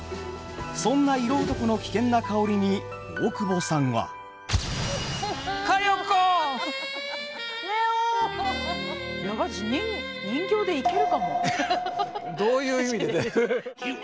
そんな色男の危険な香りに大久保さんは。どういう意味で？